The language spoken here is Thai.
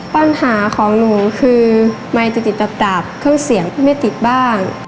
ปัญหาของหนูคือไมค์จะติดตับเครื่องเสียงที่ไม่ติดบ้าง